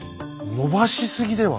延ばしすぎでは？